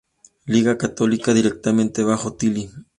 Liga Católica, directamente bajo Tilly.